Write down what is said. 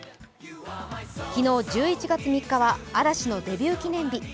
昨日１１月３日は、嵐のデビュー記念日。